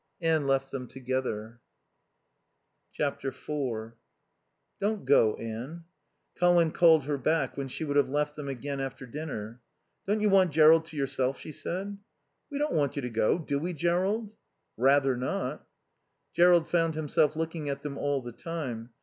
Anne left them together. iv "Don't go, Anne." Colin called her back when she would have left them, again after dinner. "Don't you want Jerrold to yourself?" she said. "We don't want you to go, do we, Jerrold?" "Rather not." Jerrold found himself looking at them all the time.